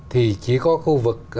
thì chỉ có khu vực